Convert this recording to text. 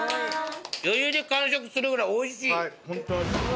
余裕で完食するぐらいおいしい。